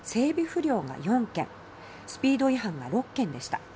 不良が４件スピード違反が６件でした。